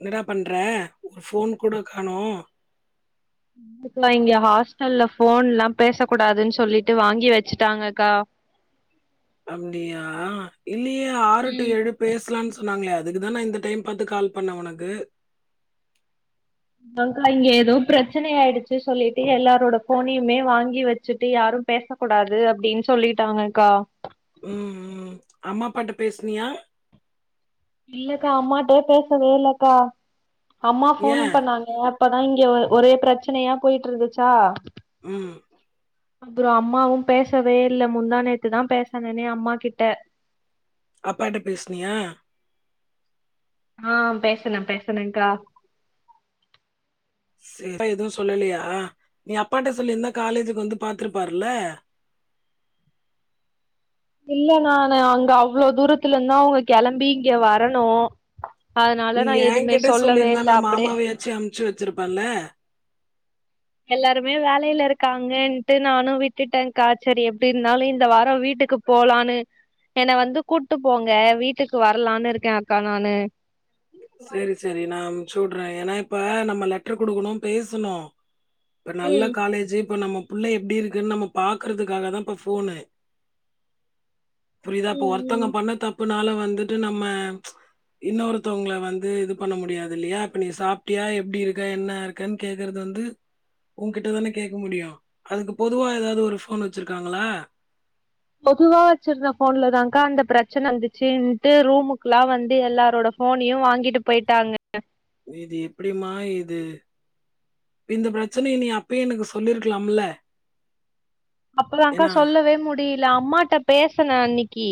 என்னடா பண்ற ஒரு ஃபோன் கூட காணோ நா இங்க ஹாஸ்டல்ல ஃபோன் ல்லா பேச கூடாதுன்னு சொல்லிட்டு வாங்கி வச்சுட்டாங்கக்கா அப்டியா இல்லயே ஆறு டூ ம் ஏழு பேசலான் சொன்னாங்ளே அதுக்கு தா இந்த டைம் பாத்து கால் பண்ணே ஒனக்கு அதாங்கா இங்க எதோ பிரச்சன ஆயிடுச்சு சொல்லிட்டு எல்லாரோட ஃபோனையுமே வாங்கி வச்சுட்டு யாரும் பேச கூடாது அப்டின் சொல்லிட்டாங்கக்கா ம் ம் அம்மா அப்பாட்ட பேசுனியா இல்லக்கா அம்மாட்ட பேசவே இல்லக்கா அம்மா ஃபோன் ஏன் பண்ணாங்க ய அப்பதா இங்க ஒரே பிரச்சனயா போயிட்டு இருந்ச்சா ஆ அப்புறம் அம்மாவும் பேசவே இல்ல முந்தா நேத்து தா பேசுனனே அம்மா கிட்ட அப்பா கிட்ட பேஸ்னியா ஆ பேசன பேசனேங்க்கா சேர் எதுவு சொல்லலையா நீ அப்பாட்ட சொல்லிருந்தா காலேஜுக்கு வந்து பாத்துருப்பாருல இல்ல நானு அங்க அவ்ளோ தூரத்துல இருந்து அவங்க கெளம்பி இங்க வரணு அதனால நா எதுவுமே சொல்லவே இல்ல அப்டியே ச்சு அம்ச்சு வச்சிருப்பல எல்லாருமே வேலையில இருகாங்கன்ட்டு நானு விட்டுட்டேங்கா செரி எப்டி இருந்தாலு இந்த வாரோ வீட்டுக்குப் போலான்னு என்ன வந்து கூட்டு போங்க வீட்டுக்கு வரலான்னு இருக்கே அக்கா நானு செரி செரி நா அம்ச்சுடுறே ஏன்னா இப்ப நம்ம லெட்டர் குடுக்கணு பேசணு இப்ப நல்ல ம் காலேஜ் இப்ப நம்ம பிள்ளை எப்ப இருக்குன்னு நம்ம பாக்குறதுகாக தா இப்ப ஃபோனு புரிதா இப்ப ம் ஒருத்தவங்க ம் பண்ண தப்புனால வந்துட்டு நம்ம ம்ச் இன்னொருத்தவங்கல வந் ந்து இது பண்ண முடியாது இல்லயா அப்ப நீ சாப்ட்டியா எப்டி இருக்க என்னா இருக்கன்னு கேக்கிறது வந்து உங்கிட்ட தானே கேக்க முடியு அதுக்கு பொதுவா ஏதாவது ஒரு ஃபோன் வச்சிருக்காங்களா பொதுவா வச்சிருந்த ஃபோன்லதாங்கா அந்த பிரச்சன வந்துச்சின்ட்டு ரூமுக்குலா வந்து எல்லாரோட ஃபோனியு வாங்கிட்டு போய்ட்டாங்க இது எப்டி மா இது இந்த பிரச்சனய நீ அப்பயே எனக்கு சொல்லிருக்கலாம்ல அப்பதாங்க்கா சொல்லவே முடியல அம்மாட்ட பேசன அன்னைக்கி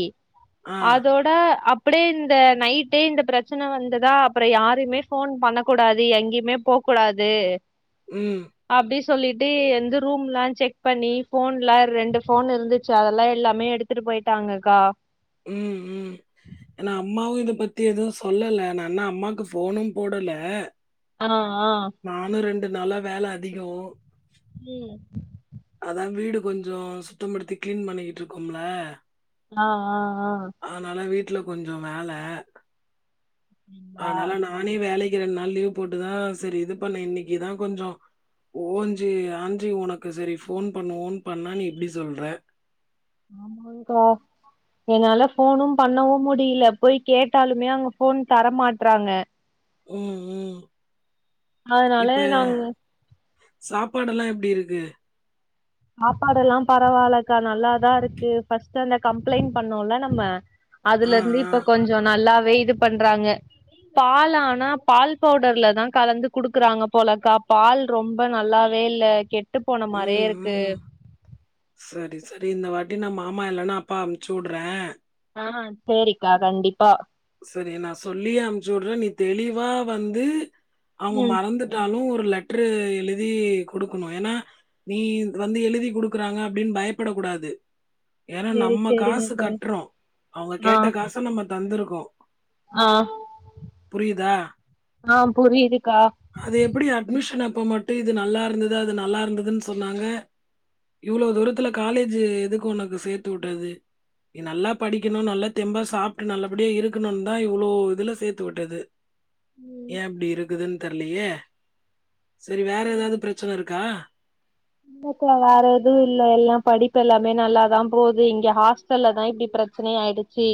ஆ, அதோட் ட அப்டியே இந்த நைடே இந்த பிரச்சன வந்ததா அப்பறம் யாரையுமே ஃபோன் பண்ணகூடாது எங்கமேப் போ கூடாது ம் அப்டி சொல்லிட்டு எங்க ரூம்ல செக் பண்ணி ஃபோன்லா ரெண்டு ஃபோன் இருந்துச்சி அதெல்லா எல்லாமே எடுத்துட்டு போயிட்டாங்க்கா ம் ம் ஏனா அம்மாவு இத பத்தி எதுவு சொல்லல நான்னா அம்மாக்கு ஃபோனு போடல ஆ ஆ நானு ரெண்டு நாளா வேல அதிகோ ம் அதா வீடு கொஞ்சோ சுத்தம் படுத்தி கிளீன் பண்ணிக்கிட்ருக்கோம்ல ஆ ஆ ஆ அதனால வீட்டுல கொஞ்சோ வேல அப்டிங்களா அதனால நா நானே வேலைக் ரெண்டு நாள் லீவ் போட்டுதா சரி இது பண்ண இன்னைகிதா கொஞ்சோ ஓஞ்சி அஞ்சி உனக்கு சரி ஃபோன் பண்ணுவோன்னு பண்ணா நீ இப்டி சொல்ற ஆமாங்க்கா என்னால ஃபோனு பண்ணவு முடியல போய் கேட்டாலுமே அங்க ஃபோன் தர மாட்றாங்க ம் ம் அதனால இப்ப நாங் சாப்பாடுல்லா எப்டி இருக்கு சாப்பாடு எல்லா பரவால்லகா நல்லாதா இருக்கு ஃபர்ஸ்ட்டு அந்த கம்ப்ளைண்ட் பண்ணோல நம்ம ஆ அதல இருந்து ஆ இப்ப கொஞ்சோ நல்லாவே இது பண்றாங்க பால் ஆனா பால் பவுடர்ல தா கலந்து குடுக்குறாங்க போலக்கா பால் ரொம்ப நல்லாவே இல்ல கேட் ம் ம் சரி சரி இந்த வாட்டி நம்ம மாமா இல்லன்னா அப்பா அம்ச்சி வுடுறே ஆ செரிக்கா கண்டிப்பா செரி நா சொல்லியே அனுச்சு உடுறே நீ தெளிவா வந்து அவுங்க ம் மறந்துட் டாலு ஒரு லெட்டரு எழுதி குடுக்கணு ஏனா நீ வந்து எழுதி குடுக்கறாங்க அப்டின் பயப்பட கூடாது ஏனா சேரி நம்ம காசு சேரிங்கக்கா கட்றோ அவுங்க ஆ கேட்ட காச நம்ம தந்துருக்கோ ஆ புரியிதா ஆ புரியுதுக்கா அது எப்டி அட்மிஷனப்ப மட்டு இது நல்லாருந்தது அது நல்லாருந்ததுன் சொன்னாங்க இவ்ளோ தூரத்துல காலேஜி எதுக்கு ஒனக்கு சேத்து உட்டது நீ நல்லா படிக்கனு நல்லா தெம்பா சாப்ட்டு நல்லபடியா இருக் க்ணுனுந்தா இவ்ளோ இதுல சேத்து உட்டது ம் ஏ இப்டி இருக்குதுன் தெர்லியே செரி வேற சேரி. எதாவது பிரச்சன இருக்கா மூக்குல வேற எதும் இல்ல எல்லா படிப்பு எல்லாமே நல்லாதா போது இங்க ஹாஸ் டல்ல தா இப்டி பிரச்சனையே ஆயிடுச்சி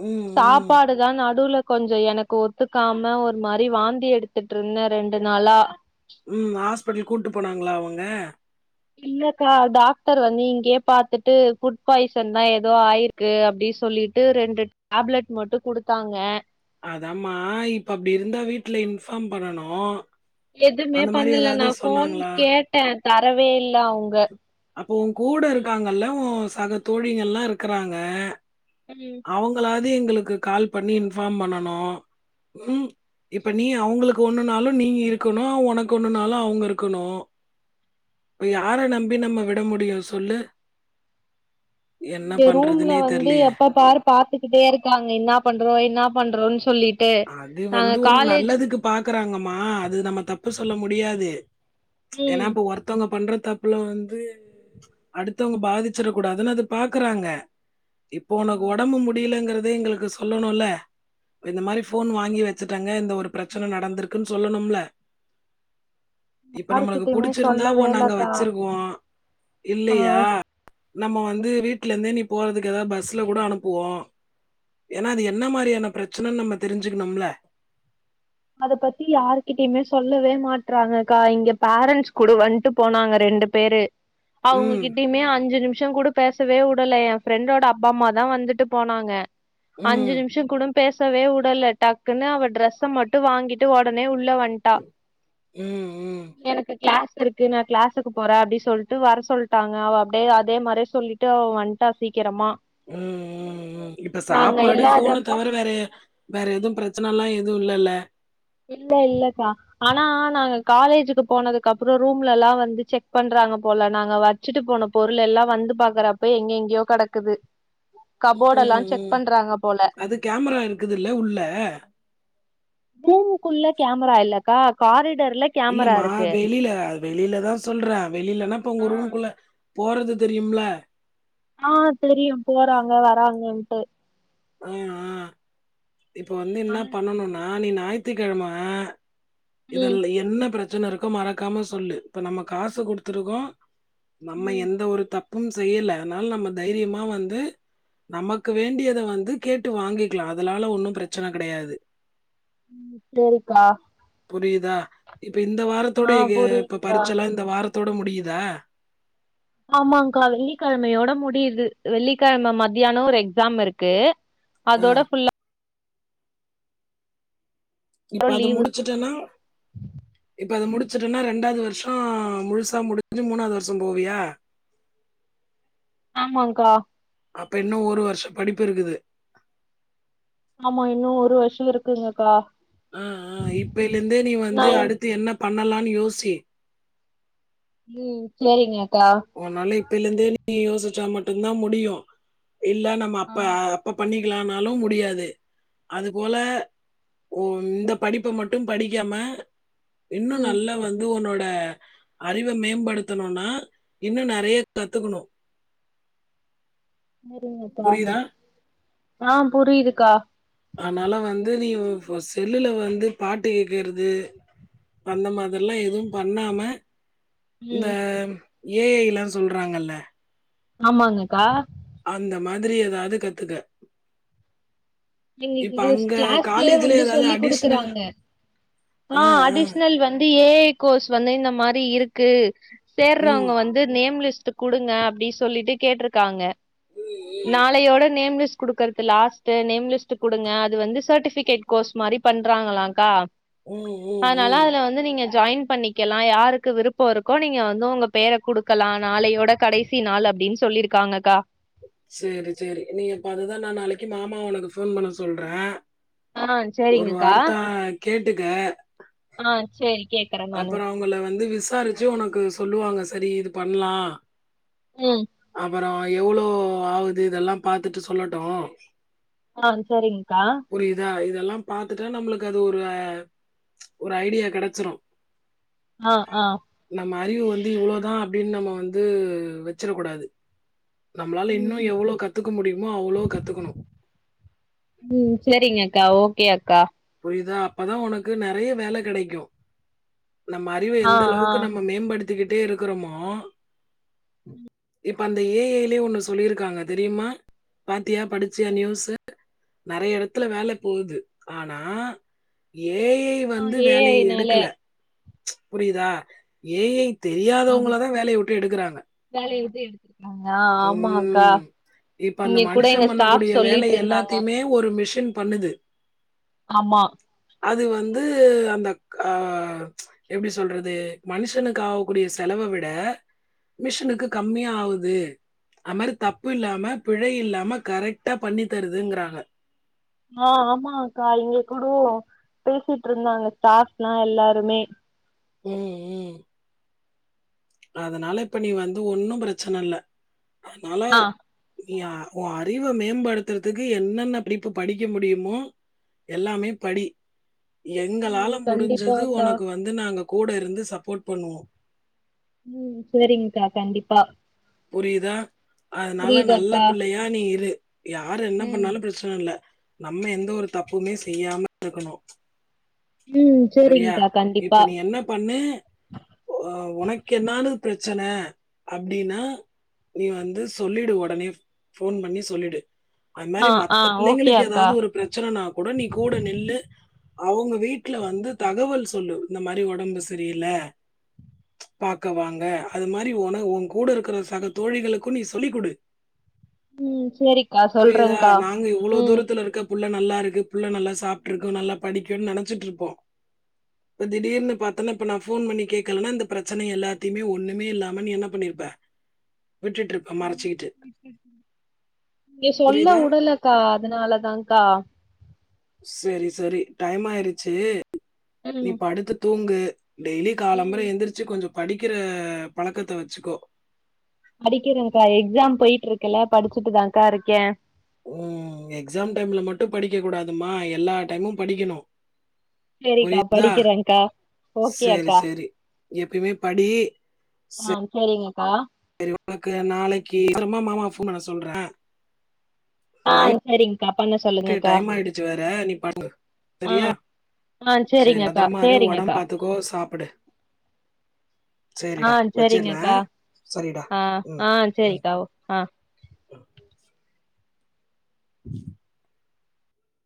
ம் ம். சாப்பாடு தா நடுவுல கொஞ்சோ எனக்கு ஒத்துக்காம ஒரு மாரி வாந்தி எடுத் துட்டுருந்த ரெண்டு நாளா ம் ஹாஸ்பிட்டல் கூட்டு போனாங்களா அவங்க இல்லக்கா டாக்டர் வந்து இங்கயே பாத்துட்டு ஃபுட் பாய்சன் தா எதோ ஆயிரு க்கு அப்டி சொல்லிட்டு ரண்டு டேப்லெட் மட்டும் குடுத்தாங்க அதமா இப்ப அப்டி இருந்தா வீட்ல இன்ஃபார்ம் பண்ணனு எதுமே பண்ணல நா ஃபோன் கேட்ட தரவே இல்ல அவுங்க அப்போ ஓ கூட இருக்காங்க இல்ல ஓ சக தோழிகல்லா இருக்கறாங்க ம் அவுங்களாது எங்களுக்கு கால் பண்ணி இன்ஃபார்ம் பண்ணனு ம் இப்ப நீ அவுங்களுக்கு ஒன்னுனாலு நீ இருக்கனு ஒனக்கு ஒன்னுனாலு அவுங்க இருக்கனு இப்ப யார நம்பி நம்ம விட முடியும் சொல்லு என்ன இங்க ரூம்ல பண்றதுன்னே வந்து தெரியலையே! எப்ப பாரு பாத்துக்கிட்டே இருக்காங்க இன்னா பண்றோ இன்னா பண்றோன் சொல்லி அது வந்து உங்க நல்லதுக்கு பாக்கறாங்கமா அது நம்ம தப்பு சொல்ல முடியாது ஏனா ம் இப்ப ஒருத் தவங்க பண்ற தப்புல வந்து அடுத்தவங்க பாதிச்சிட கூடாதுன்னு அது பாக்கறாங்க இப்போ ஆ, ஒனக்கு ஒடம்பு முடியலங்கிறதே எங்களுக்கு சொல்லனுல்ல இந்த மாரி ஃபோன் வாங்கி வச்சிட்டாங்க இந்த ஒரு பிரச்சன நடந்திருக்குன் சொல்லனுமுல இப்ப நம்மளுக்கு யாருகிட்டயுமே புடிச்சிருந்தா சொல்லவே ஒன்ன அங்க இல்லக்கா வச்சிருக்குவோ ஆ இல்லயா நம்ம வந்து வீட்லேந்தே நீ போறதுக்கு எதாது பஸ்ல கூட அனுப்புவோ ஏனா அது என்ன மாரியான பிரச்சனன்னு நம்ம தெரிஞ்சிக்கினுமுல அத பத்தி யார்கிட்டயிமே சொல்லவே மாட்றாங்கக்கா இங்க பேரண்ட்ஸ் கூட வண்ட்டு போனாங்க ரெண்டு பேரு ம். அவுங்ககிட்டயிமே அஞ்சி நிமிஷோ கூட பேசவே உடல ஏ ஃப்ரண்டோட அப்பா அம்மா தா வந்துட்டு போனாங்க அஞ்சி ம். நிமிஷ கூடம் பேசவே உடல டக்குன்னு அவ டிரஸ்ஸமட்டு வாங்கிட்டு ஒடனே உள்ள வன் ம் ம் எனக்கு கிளாஸ் இருக்கு நா கிளாஸுக்கு போற அப்டி சொல்ட்டு வர சொல்ட்டாங்க அவ அப்டே அதே மாரே சொல்லி ட்டு அவ வன்ட்டா சீக்கிரமா ம் ம் ம் இப்ப நாங்க சாப்பாடு ஃபோன இல்லாதப்ப தவர வேற வேற எதும் பிரச்சனலா எதும் இல்லல்ல இல்ல இல்லக்கா ஆனா நாங்க காலேஜிக்கு போனதுக்கப்பறோ ரூம்ல்லலா வந்து செக் பண்றாங்க போல நாங்க வச் சிட்டு போன பொருளெல்லா வந்து பாக்கறப்ப எங்கெங்கயோ கடக்குது கபோடெல்லா ம். செக் ம். பண்றாங்க போல அது கேமரா இருக்குதுல்ல உள்ள ரூமுக்குள்ள கேமரா இல்லக்கா காரிடோர்ல இல்லமா வெளில வெளிலதா சொல்ற வெளிலனா இப்ப உங்க ரூம்குள்ள போறது தெரியும்ல ஆ தெரியு போறாங்க வராங்கன்ட்டு அ அ இப்ப வந்து என்னா பண்ணனுன்னா நீ நாய்த்திகெழம ம் இதல்ல என்ன ப்ரச்சன இருக்கோ மறக்காம சொல்லு இப்ப நம்ம காசு குடுத்துருக்கோ நம்ம ம் எந்த ஒரு தப் பும் செய்யல அத்னால நம்ம தைரியமா வந்து நமக்கு வேண்டியத வந் து கேட்டு வாங்கிக்லா அதனால ஒன்னு ப்ரச்சன கடையாது சேரிக்கா புரியிதா இப்ப இந்த வாரத்தோட ஆ இகு இப்ப புரியுதுக்கா பரிட்ச்சல்லா இந்த வாரத்தோட முடியிதா ஆமாங்க்கா வெள்ளிகெழமையோட முடிய்து வெள்ளிகெழம மத்யானொ ஒரு எக்ஸாம் இருக்கு அ அதோட ஃபுல்லா இப்ப அத முடிச்சிட்டனா இப்ப அத முடிச்சிட்டனா ரெண்டாவ்து வர்ஷொ முழுசா முடிஞ்சி மூணாவ்து வர்ஷொ போவியா ஆமாங்க்கா அப்ப இன்னு ஒரு வர்ஷோ படிப்பு இருக்குது ஆமா இன்னு ஒரு வர்ஷொ இருக்குங்கக்கா ஆ ஆ இப்பைலேந்தே நீ நா வந்து அடுத்து என்ன பண்ணலான் யோசி ம் சேரிங்கக்கா ஒன்னால இப்பைலேந்தே நீ யோசிச்சா மட்டுந்தா முடியு இல்ல நம்ம ஆ அப்ப அப்ப பண்ணி க்கிலான்னாலு முடியாது அதுபோல ஓ இந்த படிப்ப மட்டு படிக்காம இன்னு ம் நல்லா வந்து ஒன்னோட அறிவ மேம்படுத்தணுன்னா இன்னு நறைய கத்துக்குணு சேரிங்கக்கா புரியுதா? ஆ புரியிதுக்கா அனால வந்து நீ செல்லுல வந்து பாட்டு கேக்குறது அந்த மாத்ரில்லா எதுவு பண்ணாம இந்த ம் ஏ ஐ லா சொல்றாங்கல்ல ஆமாங்கக்கா அந்த மாதிரி ஏதாவ்து கத்துக்க இப்ப எங்ளுக்கு அங்க க்ளாஸ்லயே காலேஜ்ல வந்து ஏதாவது சொல்லி அடிஷ்னல் குடுக்குறாங்க க்லா ஆ ஆ அடிஷ்னல் வந்து ஏ ஐ கோர்ஸ் வந்து இந்த மாரி இருக்கு சேர்றவங்க ம் வந் து நேம் லிஸ்ட்டு குடுங்க அப்டி சொல்லிட்டு கேட்ருக்காங்க ம் நாளையோட நேம் லிஸ் குடுக்கற்து லாஸ்ட்டு நேம் லிஸ்ட்டு குடுங்க அது வந்து சட்டிஃபிகேட் கோர்ஸ் மாரி பண்றாங்களாங்க்கா ம் ம் அனாலா ம் அதுல வ ந்து நீங்க ஜாயின் பண்ணிக்கெலா யாருக்கு விருப்பொ இருக்கோ நீங்க வந்து உங்க பேர குடுக்கலா நாளையோட கடை சி நாலு அப்டின் சொல்லிருக்காங்கக்கா சேரி சேரி நீங்க அப்ப அதுதா நா நாளைக்கி மாமாவ ஒனக்கு ஃபோன் பண்ண சொல்ற ஆ ஒரு சேரிங்கக்கா வார்த்த கேட்டுக்க ஆ சேரி கே அப்பறொ அவ்ங்கள வந்து விசாரிச்சி ஒனக்கு சொல்லுவாங்க சரி இது பண்லா ம் அப்றோ எவ்ளோ ஆவுது இதெல்லா பாத்துட்டு சொல்லட்டு ஆ சரிங்ககா புரிதா இதெல்லா பாத்துட்தா நம்ளுக்கு அது ஒரு அ ஒரு ஐடியா கெடச்சிரு ஆ ஆ நம்ம அறிவு வந்து இவ்ளோ தா அப்டின் நம்ம வந்து வச்சிற கூடாது நம்ளால இன்னு ம் எவ்ளோ கத்துக்க முடியுமோ அவ்ளோ கத்துக்கணு ம் சேரிங்கக்கா ஓகே அக்கா புரிதா அப்பதா உனக்கு நெறைய வேல கெடைக்கு நம்ம அறிவ ஆ எந்த ஆ அளவுக்கு நம்ம மேம்படுத்திக்கிட்டே இருக்குறோமோ இப்ப அந்த ஏ ஐலே ஒண்ணு சொல்லிருக்காங்க தெரியுமா பாத்தியா படிச்சியா நியூஸு நெறைய எடத்துல வேல போது ஆனா ஏ ஐ ஐ ஆ வந்து ஏ வேலய ஐ னால எடுக்கல புரிதா ஏ ஐ தெரியாதவங்கள தா வேலய விட்டு எடுக்றாங்க வேலய விட்டு எடுத் அங்யா ஆமாக்கா ம். இப்ப அந்த இங்க கூட மனுஷன் எங்க ஸ்டாப் பண்ணக்கூடிய வேலை சொல்லிட்ருந்தாங்க எல்லாத்தையுமே ஒரு மிஷின் பண்ணுது ஆமா அது வந்து அந்தக் ஆ எப்டி சொல்றது மனுஷனுக் ஆவக்கூடிய செலவ விட மிஷினுக்கு கம்மியா ஆவுது அ மாரி தப்பு இல்லாம பிழை இல்லாம கரெக்ட்டா பண்ணி தருதுங்குறாங்க ஆ ஆமா அக்கா இங்க கூடோ பேசிட்ருந்தாங்க ஸ்டாப்லா எல்லாருமே ம் ம் அதனால இப்ப நீ வந்து ஒன்னு பிரச்சன இல்ல அதனால ஆ நீ அ ஒ அறிவ மேம்படுத்துறதுக்கு என்னென்ன படிப்பு படிக்க முடியுமோ எல்லாமே படி எங்களால ம் முடிஞ்சது கண்டிப்பாக்கா ஒனக்கு வந்து நாங்க கூட இருந்து சப்போர்ட் பண்ணுவோ ம் சேரிங்க்கா கண்டிப்பா புரிதா அதனால நல்ல புரியுதாக்கா பிள்ளையா நீ இரு யாரு என்ன ம் பண்ணாலு பிரச் சன இல்ல நம்ம எந்த ஒரு தப்புமே செய்யாம இருக்கணு ம் சரியா சரிங்க்கா இப்ப கண்டிப்பா நீ என்ன பண்ணு ஒ ஒனக்கு என்தானு பிரச்சன அப்டின்னா நீ வந்து சொல்லிடு ஒடனே ஃபோன் பண்ணி சொல்லிடு அந் ஆ மாரி ஆ மத்த ஓகே பிள்ளைங்களுக்கு அக்கா எதாது ஒரு பிரச்சனனா கூட நீ கூட நில்லு அவுங்க வீட் ல வந்து தகவல் சொல்லு இந்த மாரி ஒடம்பு சரி இல்ல பாக்க வாங்க அது மாரி ஒன ஓங் கூட இருக்கற சக தோழிகளுக்கு நீ சொல்லி குடு ம் சேரிக்கா புரியுதா சொல்றங்கா நாங்க இவ்வளோ ம் தூரத்துல இருக்க புள்ள நல்லா இருக்கு புள்ள நல்லா சாப்ட்ருக்கு நல்லா படிக்குன் நெனச்சிட்ருப்போ இப்ப திடீர்னு பாத்தனா இப்ப நா ஃபோன் பண்ணி கேக்கலன்னா இந்த பிரச்சன எல்லாத்தயுமே ஒன்னுமே இல்லாம நீ என்ன பண்ணியிருப்ப விட்டுட்ரு இங்க சொல்ல புரியுதா உடலக்கா அதனால தான்கா செரி சரி டைம் ஆயிடுச்சு நீ ம் படுத்து தூங்கு டெய்லி ம் காலம்பர எந்திரிச்சு கொஞ்சோ படிக்கிற பழக்கத்த வச்சுக்கோ படிக்கிறன்கா எக்ஸாம் போயிட்டு இருக்குல்ல படிச்சிட்டுதான்கா இருக்கே ம் எக்ஸாம் டைம்ல மட்டு படிக்க கூடாதுமா எல்லா டைமு படிக்குணு செரிக்கா படிக்கிறன்கா செரி செரி எப்பியுமே படி ஆ சரிங்கக்கா செரி ஒனக்கு நாளைக்கு [inaudible] மாமாவ ஃபோன் பண்ண சொல்ற ஆ சரிங்கக்கா பண்ண சொல்லுங்கக்கா டைம் ஆயிடுச்சு வேற. நீ படு ஆ சரியா? ஆ சரி செரிங்கக்கா பத்திரமா இரு. உடம்பு சேரிங்கக்கா பார்த்துக்கோ. சாப்பிடு. ஆ சரிடா. சரிங்கக்கா வச்சிடுறேன். சரிடா. ஆ ம் ஆ ம். சரிக்கா ஓ ஆ [inaudible] [inaudible]